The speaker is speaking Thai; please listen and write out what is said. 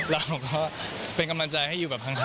เราก็เป็นกำลังใจให้อยู่ห่าง